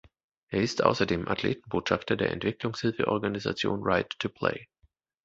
Er ist ausserdem Athletenbotschafter der Entwicklungshilfeorganisation Right to Play.